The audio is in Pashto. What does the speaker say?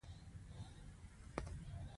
پیره دار غوځار شو او بې سده شو.